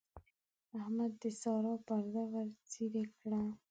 احمد د سارا پرده ورڅېرې کړه.